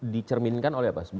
dicerminkan oleh apa